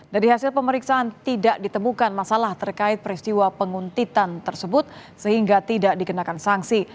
dari hasil pemeriksaan tidak ditemukan masalah terkait peristiwa penguntitan tersebut sehingga tidak dikenakan sanksi